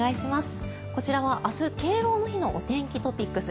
こちらは明日、敬老の日のお天気トピックス。